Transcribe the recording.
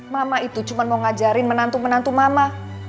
mama itu cuma mau ngajarin menantu menantu mama